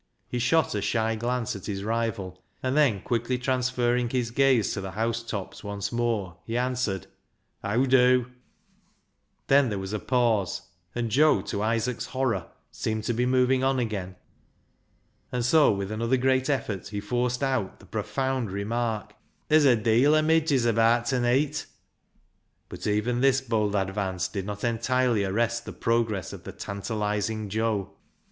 He shot a shy glance at his rival, and then quickly transferring his gaze to the housetops once more, he answered —" Heaw dew ?" Then there was a pause, and Joe, to Isaac's horror, seemed to be moving on again ; and so, ISAAC'S FIDDLE 315 with another great effort, he forced out the profound remark —" Ther's a deeal o' midges abaat ta neet." But even this bold advance did not entirely arrest the progress of the tantalising Joe.